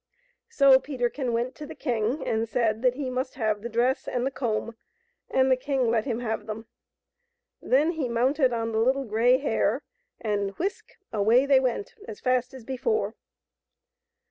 So Peterkin went to the king and said that he must have the dress and the comb, and the king let him have them. Then he mounted on the Lit tle Grey Hare and — whisk !— away they went as fast as before.